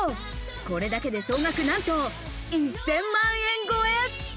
これだけで総額、なんと１０００万円超え！